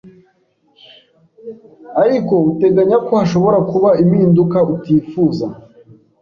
ariko uteganyako hashobora kuba impinduka utifuza